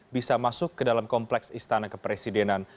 bisa masuk ke dalam kompleks istana kepresidenan